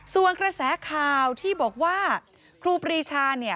ส่วนกระแสข่าวที่บอกว่าครูปรีชาเนี่ย